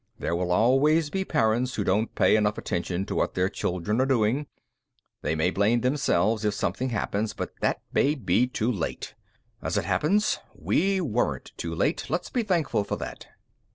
There will always be parents who don't pay enough attention to what their children are doing. They may blame themselves if something happens, but that may be too late. As it happens, we weren't too late. Let's be thankful for that.